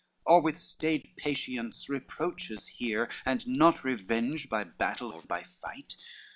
Or with stayed patience, reproaches hear, And not revenge by battle or by fight?